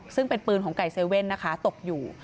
ซึ่งเป็นปืนของไก่เซเว่นนะคะตกอยู่